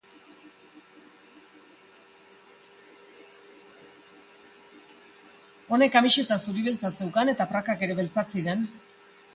Honek kamiseta zuri beltza zeukan eta prakak ere beltzak ziren.